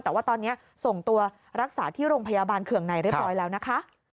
แต่ว่าตอนนี้ส่งตัวรักษาที่โรงพยาบาลเคืองในเรียบร้อยแล้วนะคะ